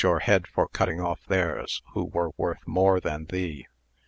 311 your head for cutting off theirs, who were worth more than thee